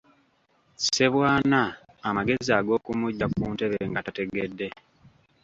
Ssebwana amagezi ag'okumuggya ku ntebe nga tategedde.